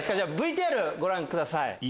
ＶＴＲご覧ください。